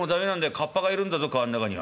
カッパがいるんだぞ川ん中には」。